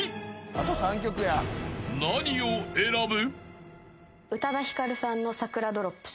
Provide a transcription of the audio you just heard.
［何を選ぶ？］